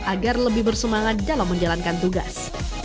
agar lebih bersemangat dalam menjalankan tugas